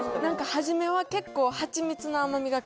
初めは結構。